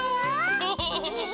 ウフフフ！